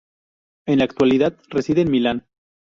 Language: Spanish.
En la actualidad, reside en Milán.